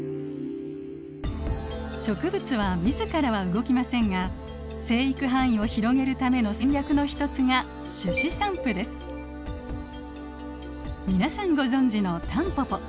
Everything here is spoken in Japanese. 植物は自らは動きませんが生育範囲を広げるための戦略の一つが皆さんご存じのタンポポ。